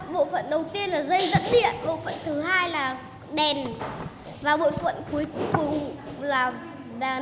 bộ phận đầu tiên là dây dẫn điện bộ phận thứ hai là đèn